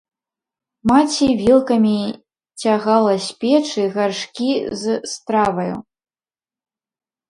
Маці вілкамі цягала з печы гаршкі з страваю.